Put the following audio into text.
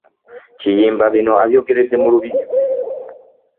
Kiyimba bino abyogeredde mu Lubiri e Mmengo